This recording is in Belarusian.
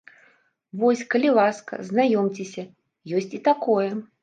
Вось, калі ласка, знаёмцеся, ёсць і такое!